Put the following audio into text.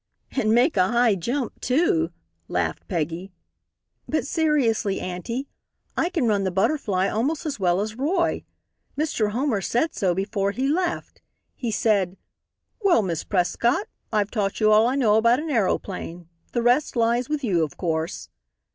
"And make a high jump, too," laughed Peggy; "but seriously, auntie, I can run the Butterfly almost as well as Roy. Mr. Homer said so before he left. He said: 'Well, Miss Prescott, I've taught you all I know about an aeroplane. The rest lies with you, of course.'"